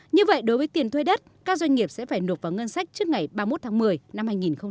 như vậy đối với tiền thuê đất các doanh nghiệp sẽ phải nộp vào ngân sách trước ngày ba mươi một tháng một mươi năm hai nghìn hai mươi